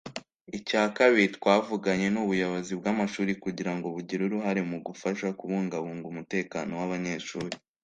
Icya kabiri twavuganye n’ubuyobozi bw’amashuri kugira ngo bugire uruhare mu gufasha kubungabunga umutekano w’abanyeshuri